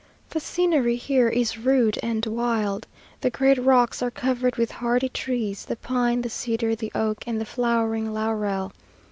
The scenery here is rude and wild. The great rocks are covered with hardy trees the pine, the cedar, the oak, and the flowering laurel.